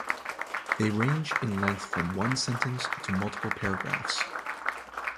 They range in length from one sentence to multiple paragraphs.